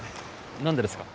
何でですか？